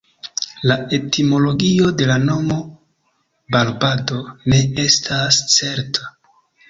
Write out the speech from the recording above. La etimologio de la nomo "Barbado" ne estas certa.